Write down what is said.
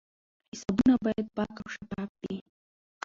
حسابونه باید پاک او شفاف وي.